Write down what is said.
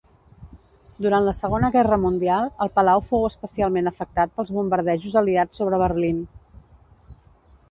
Durant la Segona Guerra Mundial, el Palau fou especialment afectat pels bombardejos aliats sobre Berlín.